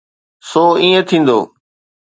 سو ائين ٿيندو.